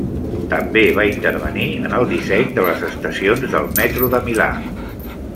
També va intervenir en el disseny de les estacions del metro de Milà.